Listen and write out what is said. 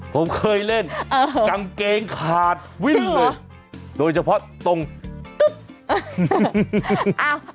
ผมเคยเล่นกางเกงขาดวิ่นเลยโดยเฉพาะตรงตึ๊ก